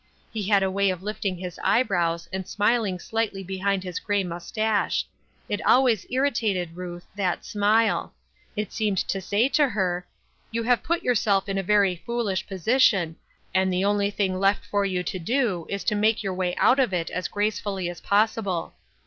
He had a way of lifting his eyebrows, and smiling slightly behind his gray mustache. It always irritated Ruth, that smile. It seemed to say to her, " You have put yourself in a very foolish position, and the only thing left for you to do is to make your way out of it as gracefully as possible."